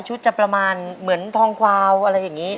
จะประมาณเหมือนทองควาวอะไรอย่างนี้